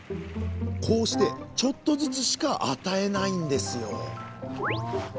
こうしてちょっとずつしか与えないんですよ